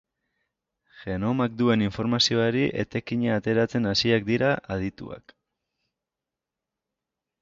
Genomak duen informazioari etekina ateratzen hasiak dira adituak.